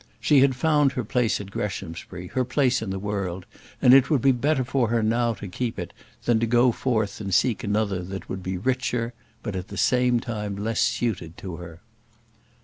She had found her place at Greshamsbury, her place in the world; and it would be better for her now to keep it, than to go forth and seek another that would be richer, but at the same time less suited to her.